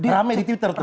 rame di twitter tuh